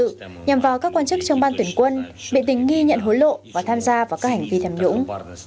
nhằm vào các quan chức trong ban tuyển quân bị tình nghi nhận hối lộ và tham gia vào các hành vi tham nhũng